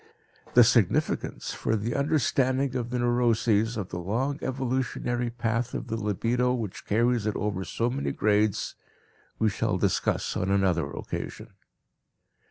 The significance, for the understanding of the neuroses, of the long evolutionary path of the libido which carries it over so many grades we shall discuss on another occasion.